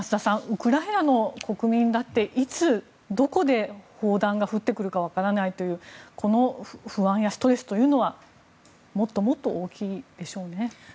ウクライナの国民だっていつ、どこで砲弾が降ってくるか分からないというこの不安やストレスというのはもっともっと大きいでしょうね。